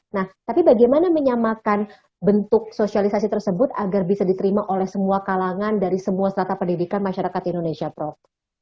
nah tapi bagaimana menyamakan bentuk sosialisasi tersebut agar bisa diterima oleh semua kalangan dari semua serata pendidikan masyarakat indonesia prof